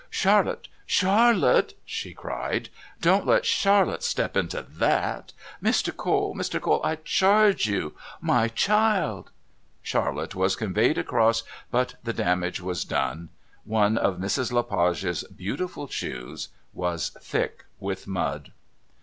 "Charlotte! Charlotte!" she cried. "Don't let Charlotte step into that! Mr. Cole! Mr. Cole! I charge you my child!" Charlotte was conveyed across, but the damage was done. One of Mrs. Le Page's beautiful shoes was thick with mud.